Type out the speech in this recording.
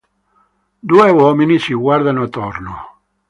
Due uomini si guardano attorno.